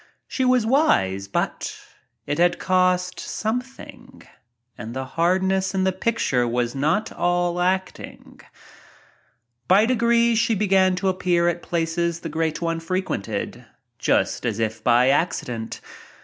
She was wise but — it had cost something and the hardness in the picture was not all acting. By degrees she began to appear at places the Great One frequented— just as if by accident.